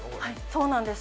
そうなんです